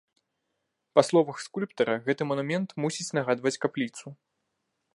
Па словах скульптара, гэты манумент мусіць нагадваць капліцу.